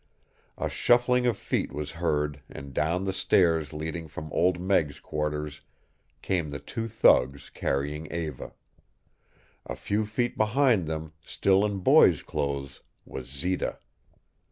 A shuffling of feet was heard and down the stairs leading from Old Meg's quarters came the two thugs carrying Eva. A few feet behind them, still in boy's clothes, was Zita.